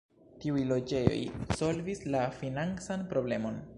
Tiuj loĝejoj solvis la financan problemon.